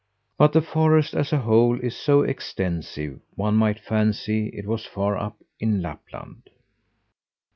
But the forest as a whole is so extensive one might fancy it was far up in Lapland.